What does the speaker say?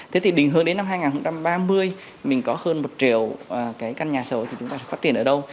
thế thì đi hướng đến năm hai nghìn ba mươi mình có hơn một triệu cái căn nhà sổ thì chúng ta sẽ phát triển ở đâu